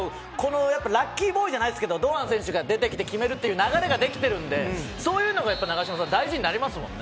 ラッキーボーイじゃないですけど堂安選手が出てきて決めるという流れができてるのでそれが永島さん大事になりますもんね。